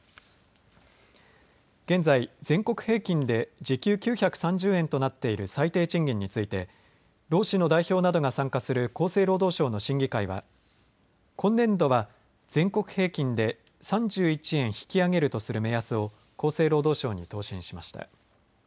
現在、全国平均で時給９３０円となっている最低賃金について労使の代表などが参加する厚生労働省の審議会は、今年度は全国平均で３１円引き上げるとする目安を厚生労働省に答申しました。